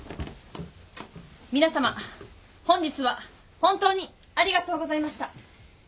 皆さま本日は本当にありがとうございました。